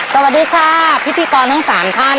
สวัสดีค่ะพิธีกรทั้ง๓ท่าน